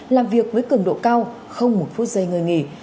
làm việc với cường độ cao không một phút giây ngơi nghỉ